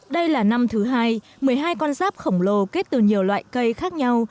đây là năm thứ hai một mươi hai con giáp khổng lồ kết từ nhiều loại cây khác nhau